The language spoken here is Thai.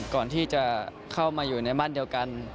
ก่อนที่จะเข้ามาอยู่ในมั่นเดียวกัน